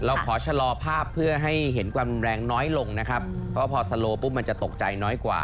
เราขอชะลอภาพเพื่อให้เห็นความแรงน้อยลงนะครับเพราะพอสโลปุ๊บมันจะตกใจน้อยกว่า